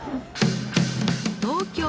東京